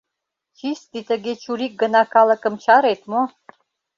Чисти тыге чурик гына калыкым чарет мо?